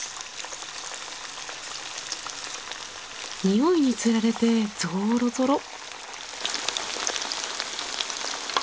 においに釣られてゾロゾロ。